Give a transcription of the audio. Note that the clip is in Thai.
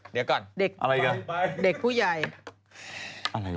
เดี๋ยวก่อนเด็กผู้ใหญ่